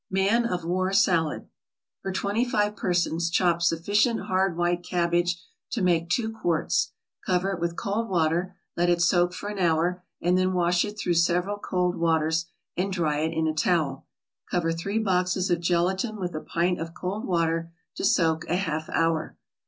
MAN OF WAR SALAD For twenty five persons, chop sufficient hard white cabbage to make two quarts. Cover it with cold water, let it soak for an hour, and then wash it through several cold waters, and dry it in a towel. Cover three boxes of gelatin with a pint of cold water to soak a half hour.